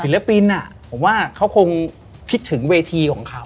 ศิลปินผมว่าเขาคงคิดถึงเวทีของเขา